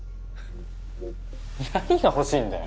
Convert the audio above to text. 何が欲しいんだよ？